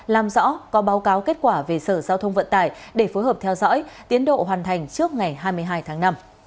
làm rõ có báo cáo kết quả về sở giao thông vận tải để phối hợp theo dõi tiến độ hoàn thành trước ngày hai mươi hai tháng năm